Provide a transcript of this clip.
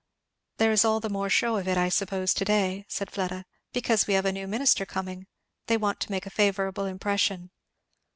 "There is all the more shew of it, I suppose, to day," said Fleda, "because we have a new minister coming; they want to make a favourable impression."